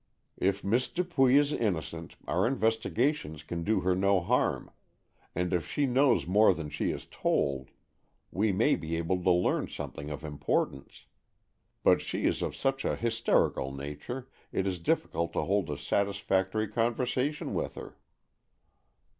If Miss Dupuy is innocent, our investigations can do her no harm, and if she knows more than she has told, we may be able to learn something of importance. But she is of such a hysterical nature, it is difficult to hold a satisfactory conversation with her."